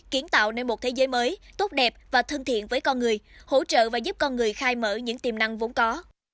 kiến tạo nên một thế giới mới tốt đẹp và thân thiện với con người hỗ trợ và giúp con người khai mở những tiềm năng vốn có